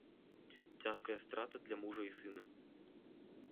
Цяжкая страта для мужа і сына.